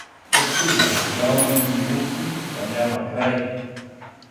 То чудо: галби и милувки, та няма край!